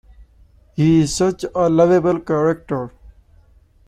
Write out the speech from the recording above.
He's such a lovable character.